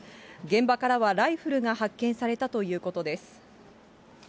現場からはライフルが発見されたということです。